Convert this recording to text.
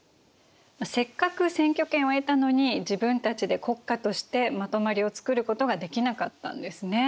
せっかく選挙権を得たのに自分たちで国家としてまとまりを作ることができなかったんですね。